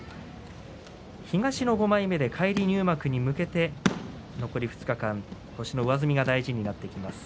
東の５枚目で返り入幕に向けて残り２日間星の上積みが大事になってきます。